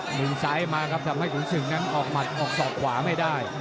ตีนซ้ายมาครับทำให้ผมรู้สึกออกสอบขวาไม่ได้